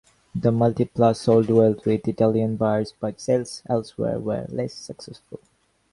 The Multipla sold well with Italian buyers, but sales elsewhere were less successful.